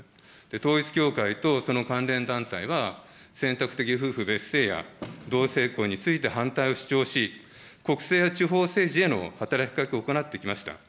統一教会とその関連団体は、選択的夫婦別姓や、同性婚について反対を主張し、国政や地方政治への働きかけを行ってきました。